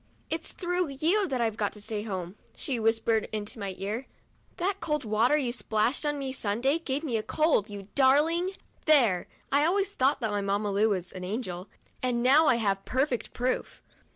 " It's through you that I've got to stay home," she whispered into my ear; "that cold water you splashed on me Sunday gave me a cold, you darling !' There — I always thought that my Mamma Lu was an angel, and now I have perfect proof.